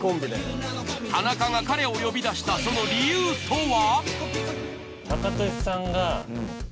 田中が彼を呼び出したその理由とは？